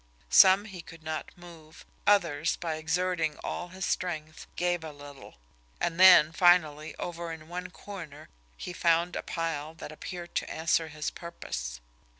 Some he could not move; others, by exerting all his strength, gave a little; and then, finally, over in one corner, he found a pile that appeared to answer his purpose.